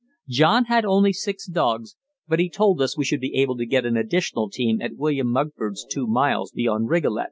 John had only six dogs, but he told us we should be able to get an additional team at William Mugford's two miles beyond Rigolet.